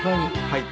はい。